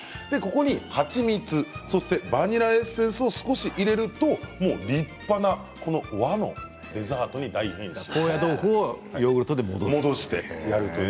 ここに蜂蜜、そしてバニラエッセンスを少し入れると立派な和のデザートに大変身。